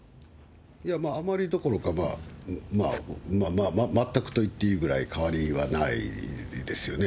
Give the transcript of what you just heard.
あまりどころか、まあ、全くと言っていいくらい変わりはないですよね。